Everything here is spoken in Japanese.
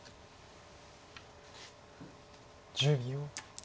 １０秒。